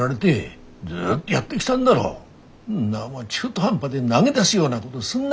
中途半端で投げ出すようなごどすんな。